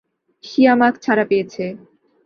শিয়ামাক ছাড়া পেয়েছে!